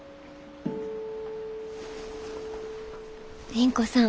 倫子さん。